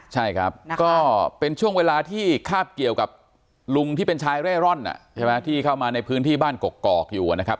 ใช่ครับก็เป็นช่วงเวลาที่คาบเกี่ยวกับลุงที่เป็นชายเร่ร่อนใช่ไหมที่เข้ามาในพื้นที่บ้านกกอกอยู่นะครับ